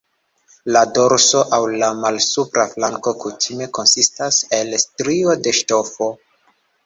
La dorso aŭ la malsupra flanko kutime konsistas el strio de ŝtofo.